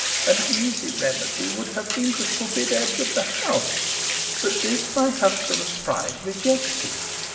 An easy remedy would have been to forbid Edward the house, but this my husband's pride rejected.